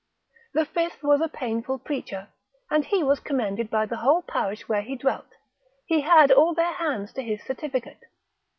The fifth was a painful preacher, and he was commended by the whole parish where he dwelt, he had all their hands to his certificate.